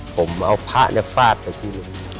ผมเอาผ้าเนี่ยฝาดเอียงดู